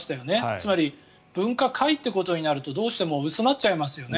つまり分科会ということになるとどうしても薄まっちゃいますよね。